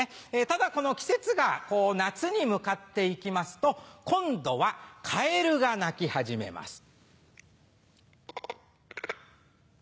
ただこの季節が夏に向かって行きますと今度はカエルが鳴き始めます。